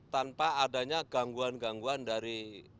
tanpa adanya gangguan gangguan dari